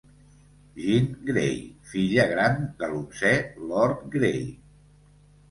Jean Gray, filla gran de l'onzè Lord Gray.